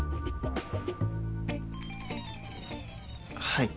はい。